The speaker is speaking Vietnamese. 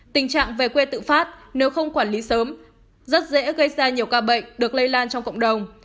tình trạng về quê tự phát nếu không quản lý sớm rất dễ gây ra nhiều ca bệnh được lây lan trong cộng đồng